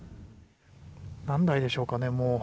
何台でしょうかね